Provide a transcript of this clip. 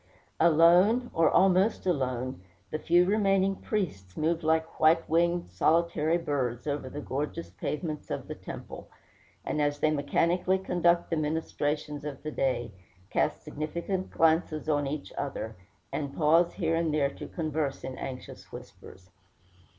Alone, or almost alone, the few remaining priests move like white winged, solitary birds over the gorgeous pavements of the temple, and as they mechanically conduct the ministrations of the day, cast significant glances on each other, and pause here and there to converse in anxious whispers.